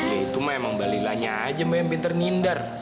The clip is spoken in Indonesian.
ya itu emang mbak lilanya aja mbak yang pinter ngindar